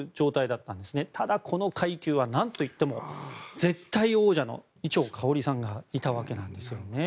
ただこの階級は何といっても絶対王者の伊調馨さんがいたわけなんですね。